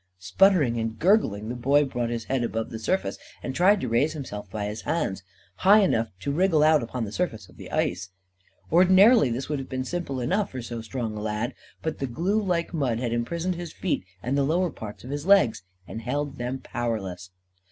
Sputtering and gurgling, the Boy brought his head above the surface and tried to raise himself by his hands, high enough to wriggle out upon the surface of the ice. Ordinarily, this would have been simple enough for so strong a lad. But the glue like mud had imprisoned his feet and the lower part of his legs; and held them powerless.